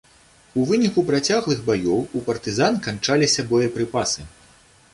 У выніку працяглых баёў у партызан канчаліся боепрыпасы.